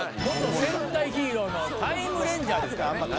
元戦隊ヒーローのタイムレンジャーですからね。